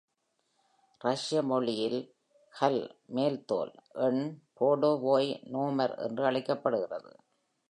ரஷ்ய மொழியில் ஹல்(மேல் தோல்) எண் “போர்டோவோய் நோமர்” என்று அழைக்கப்படுகிறது.